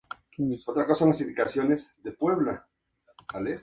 Su nombre significaː "El que trabaja la tierra.